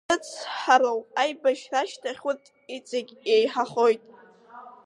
Ирыцҳароу, аибашьра ашьҭахь урҭ иҵегь иеиҳахоит…